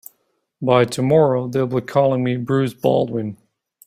By tomorrow they'll be calling me Bruce Baldwin.